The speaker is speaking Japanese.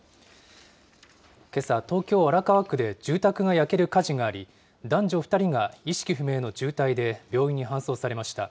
けさ、東京・荒川区で住宅が焼ける火事があり、男女２人が意識不明の重体で病院に搬送されました。